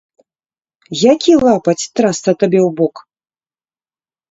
Які лапаць, трасца табе ў бок?